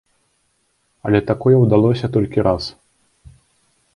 Але такое ўдалося толькі раз.